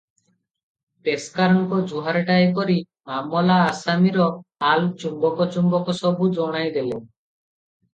ପେସ୍କାରଙ୍କୁ ଜୁହାରଟାଏ କରି ମାମଲା ଆସାମୀର ହାଲ ଚୁମ୍ବକ ଚୁମ୍ବକ ସବୁ ଜଣାଇ ଦେଲେ ।